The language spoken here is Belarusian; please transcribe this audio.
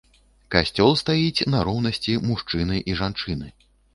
Касцёл стаіць на роўнасці мужчыны і жанчыны.